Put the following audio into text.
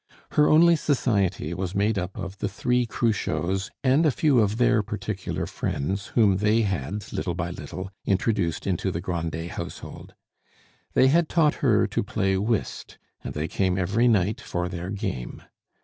Her only society was made up of the three Cruchots and a few of their particular friends whom they had, little by little, introduced into the Grandet household. They had taught her to play whist, and they came every night for their game.